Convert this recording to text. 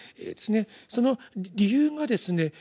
その理由がですね